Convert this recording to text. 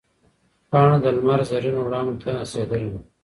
پاڼه د لمر زرینو وړانګو ته نڅېدله.